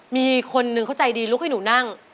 มีคนนึงเขาใจดีลุกให้หนูนั่ง